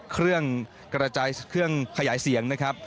เครื่องขยายเสียงนะครับ